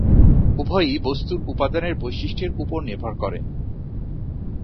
উভয়ই বস্তুর উপাদানের বৈশিষ্ট্যের উপর নির্ভর করে।